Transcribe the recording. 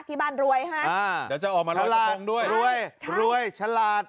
ที่บ้านรวยฮะรวยฉลาด